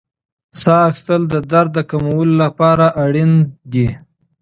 ساه اخیستل د درد د کمولو لپاره اړین دي.